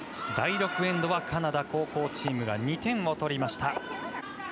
第６エンドはカナダ後攻チームが２点を取りました。